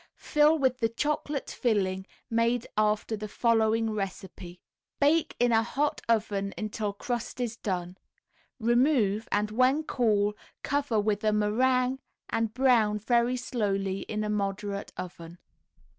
Fill with the chocolate filling made after the following recipe. Bake in a hot oven until crust is done; remove, and when cool, cover with a meringue and brown very slowly in moderate oven.